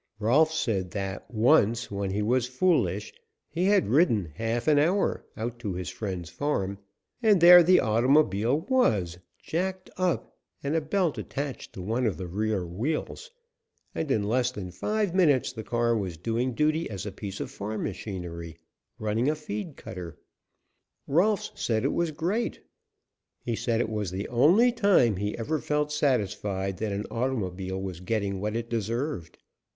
Rolfs said that once, when he was foolish, he had ridden half an hour, out to his friend's farm, and there the automobile was jacked up and a belt attached to one of the rear wheels, and in less than five minutes the car was doing duty as a piece of farm machinery, running a feed cutter. Rolfs said it was great. He said it was the only time he ever felt satisfied that an automobile was getting what it deserved.